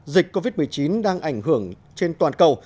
dịch covid một mươi chín đang ảnh hưởng trên toàn cầu